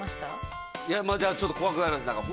いやまあちょっと怖くなりました。